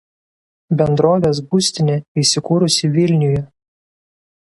Bendrovės būstinė įsikūrusi Vilniuje.